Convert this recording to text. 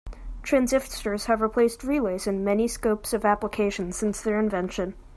Transistors have replaced relays in many scopes of application since their invention.